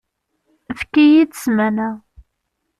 Efk-iyi-d ssmana.